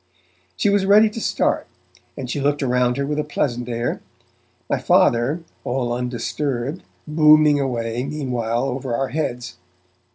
She was ready to start, and she looked around her with a pleasant air; my Father, all undisturbed, booming away meanwhile over our heads.